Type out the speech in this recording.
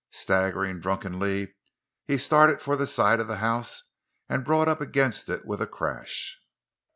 Staggering drunkenly, he started for the side of the house and brought up against it with a crash.